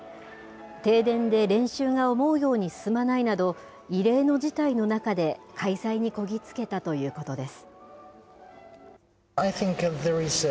停電で練習が思うように進まないなど、異例の事態の中で開催にこぎ着けたということです。